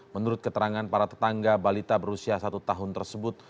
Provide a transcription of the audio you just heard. menurut keterangan para tetangga balita berusia satu tahun tersebut